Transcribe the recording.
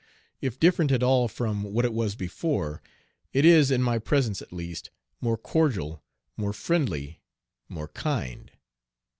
If different at all from what it was before, it is, in my presence at least, more cordial, more friendly, more kind.